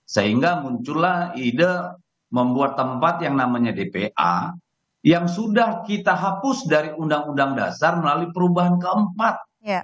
sehingga muncullah ide membuat tempat yang namanya dpa yang sudah kita hapus dari undang undang dasar melalui perubahan keempat